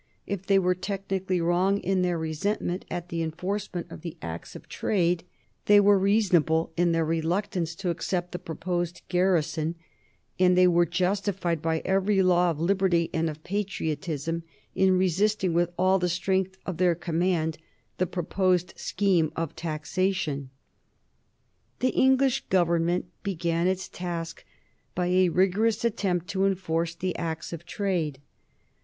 If they were technically wrong in their resentment at the enforcement of the Acts of Trade, they were reasonable in their reluctance to accept the proposed garrison, and they were justified by every law of liberty and of patriotism in resisting with all the strength at their command the proposed scheme of taxation. [Sidenote: 1765 James Otis and John Adams] The English Government began its task by a rigorous attempt to enforce the Acts of Trade.